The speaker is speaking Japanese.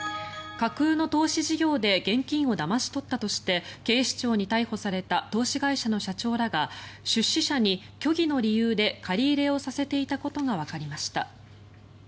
架空の投資事業で現金をだまし取ったとして警視庁に逮捕された投資会社の社長らが出資者に虚偽の理由で借り入れをさせていたことがわかりました。